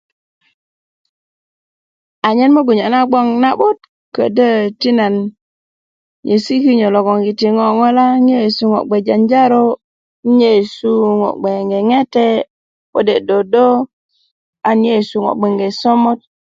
Anyen mugun niyo' na gboŋ na'but ködö ti nan nyesi' kinyo logoŋgiti ŋooŋola gbeŋge janjanjaru 'nyeyesu ŋo' gbeŋge ŋete ŋo' dodo a 'n yeyesu ŋo' gbeŋge somot